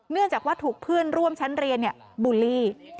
เนื่องจากว่าถูกเพื่อนร่วมชั้นเรียนบูลลี่